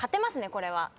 これは。